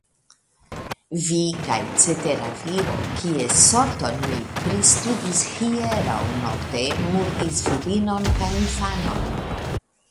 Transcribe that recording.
Vi kaj cetera viro, kies sorton mi pristudis hieraŭnokte, murdis virinon kaj infanon.